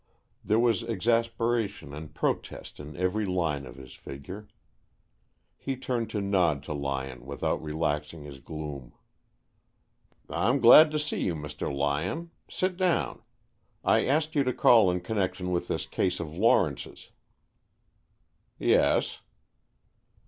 There was exasperation and protest in every line of his figure. He turned to nod to Lyon without relaxing his gloom. "I am glad to see you, Mr. Lyon. Sit down. I asked you to call in connection with this case of Lawrence's." "Yes."